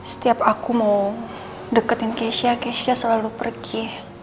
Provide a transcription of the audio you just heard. setiap aku mau deketin keisha keisha selalu pergi